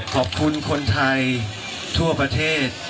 ขอบคุณคนไทยทั่วประเทศ